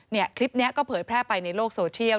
คลิปนี้ก็เผยแพร่ไปในโลกโซเชียล